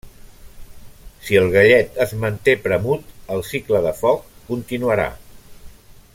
Si el gallet es manté premut, el cicle de foc continuarà.